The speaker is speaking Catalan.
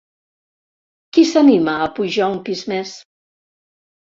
Qui s'anima a pujar un pis més?